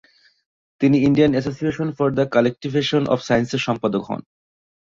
তিনি Indian association for the cultivation of সায়েন্সের সম্পাদক হন।